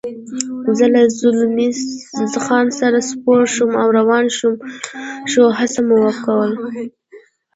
زه له زلمی خان سره سپور شوم او روان شو، هڅه مو کول.